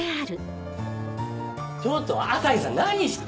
ちょっと朝陽さん何して。